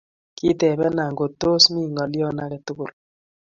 Kitepena ngo tos mi ngolio age tugul